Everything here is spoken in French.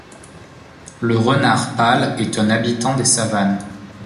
Le Renard pâle est un habitant des savanes.